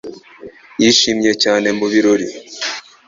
Yishimiye cyane mu birori.